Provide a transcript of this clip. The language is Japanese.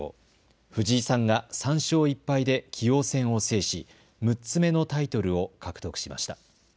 藤井さんが３勝１敗で棋王戦を制し６つ目のタイトルを獲得しました。